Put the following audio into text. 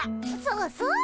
そうそう。